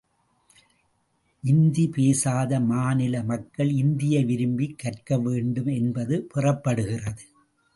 இந்தி பேசாத மாநில மக்கள் இந்தியை விரும்பிக் கற்க வேண்டும் என்பது பெறப்படுகிறது.